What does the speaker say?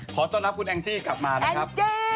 ขอต้อนรับคุณแองจี้กลับมานะครับ